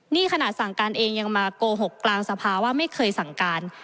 นี่ขนาดสั่งการเองยังมาโกหกกลางสภาว่าไม่เคยสั่งการ